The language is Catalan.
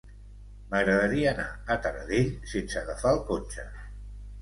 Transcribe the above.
M'agradaria anar a Taradell sense agafar el cotxe.